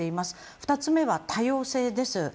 ２つ目は多様性です。